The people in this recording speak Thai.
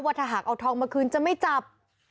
บัตหหากเอาทองเมื่อคืนจะไม่จับ